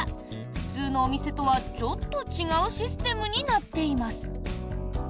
普通のお店とはちょっと違うシステムになっています。